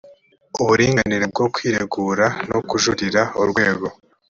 uburenganira bwo kwiregura no kujuririra urwego